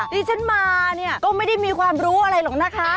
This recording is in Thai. ที่ฉันมาเนี่ยก็ไม่ได้มีความรู้อะไรหรอกนะคะ